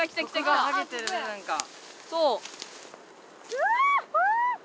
うわ！